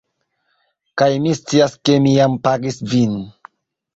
Kaj mi scias ke mi jam pagis vin